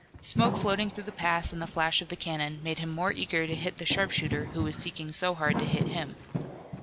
Smoke floating through the pass and the flash of the cannon, made him more eager to hit the sharpshooter who was seeking so hard to hit him.